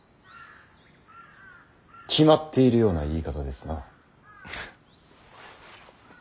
決まっているような言い方ですな。